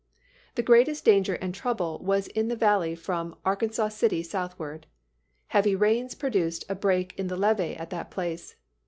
The greatest danger and trouble was in the valley from Arkansas City southward. Heavy rains produced a break in the levee at that place.